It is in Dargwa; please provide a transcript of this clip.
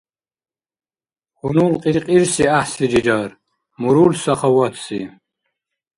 Хьунул кьиркьирси гӀяхӀси рирар, мурул — сахаватси.